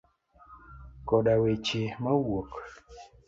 Koda weche mawuok.